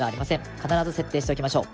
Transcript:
必ず設定しておきましょう。